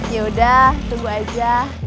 yaudah tunggu aja